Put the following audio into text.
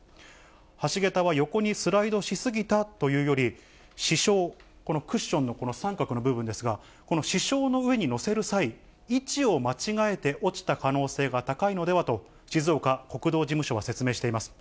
橋桁は横にスライドしすぎたというより、支承、このクッションのこの三角の部分ですが、この支承の上に載せる際、位置を間違えて落ちた可能性が高いのではと、静岡国道事務所は説明しています。